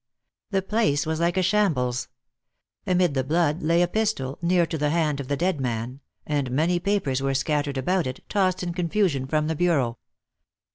The place was like a shambles. Amid the blood lay a pistol, near to the hand of the dead man, and many papers were scattered about it, tossed in confusion from the bureau.